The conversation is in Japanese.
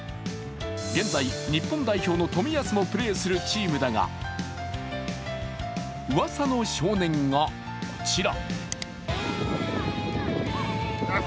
現在、日本代表の冨安もプレーするチームだがうわさの少年が、こちら。